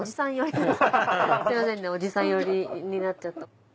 すみませんねおじさん寄りになっちゃった。